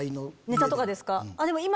ネタとかですか？